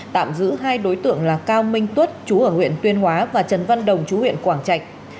tạm giữ hai đối tượng là cao minh tuất chú ở huyện tuyên hóa và trần văn đồng chú huyện quảng trạch